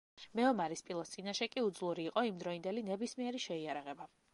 მეომარი სპილოს წინაშე კი უძლური იყო იმდროინდელი ნებისმიერი შეიარაღება.